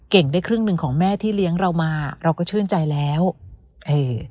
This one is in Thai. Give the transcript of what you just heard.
ได้ครึ่งหนึ่งของแม่ที่เลี้ยงเรามาเราก็ชื่นใจแล้วเออ